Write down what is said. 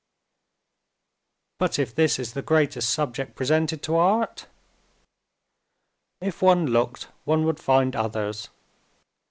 "But if this is the greatest subject presented to art?" "If one looked one would find others.